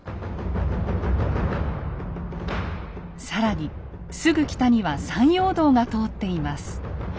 更にすぐ北には山陽道が通っています。